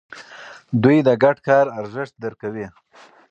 دوی د ګډ کار ارزښت درک کوي.